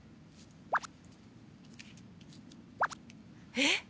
えっ？